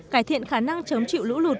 cải thiện khả năng chống chịu lũ lụt